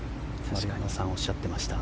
今、おっしゃっていました